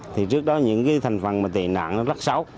thì trước đó những thành phần tệ nạn lắc xáo